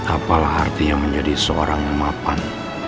apalah artinya menjadi seorang mapan